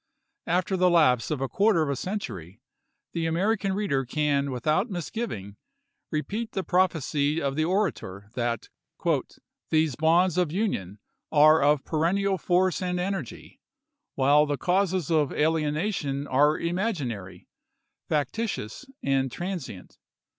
After the lapse of a quarter of a century, the American reader can without misgiving repeat the prophecy of the orator, that " These bonds of Union are of perennial force and energy, while the causes of alienation are imaginary, factitious, and transient.